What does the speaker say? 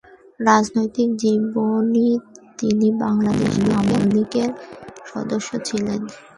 রাজনৈতিক জীবনে তিনি বাংলাদেশ আওয়ামী লীগ এর সদস্য্ ছিলেন।